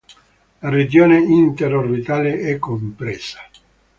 La regione inter-orbitale è compressa.